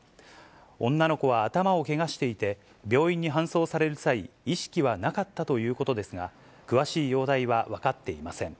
女の子は頭をけがしていて、病院に搬送される際、意識はなかったということですが、詳しい容体は分かっていません。